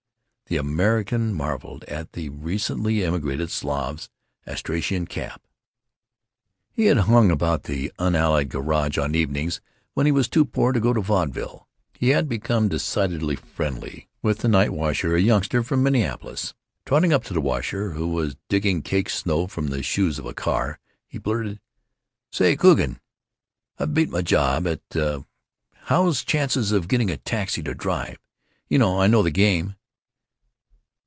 The American marveled at a recently immigrated Slav's astrachan cap. He had hung about the Unallied garage on evenings when he was too poor to go to vaudeville. He had become decidedly friendly with the night washer, a youngster from Minneapolis. Trotting up to the washer, who was digging caked snow from the shoes of a car, he blurted: "Say, Coogan, I've beat my job at ——'s. How's chances for getting a taxi to drive? You know I know the game."